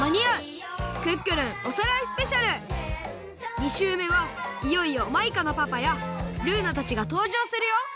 ２しゅうめはいよいよマイカのパパやルーナたちがとうじょうするよ！